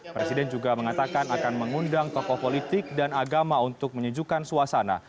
presiden juga mengatakan akan mengundang tokoh politik dan agama untuk menyejukkan suasana